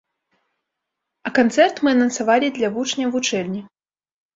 А канцэрт мы анансавалі для вучняў вучэльні.